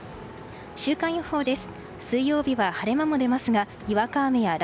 週間予報です。